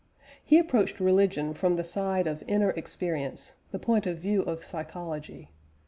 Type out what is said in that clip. He approached religion from the side of inner experience, the point of view of psychology.